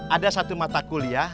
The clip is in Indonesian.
ada satu mata kuliah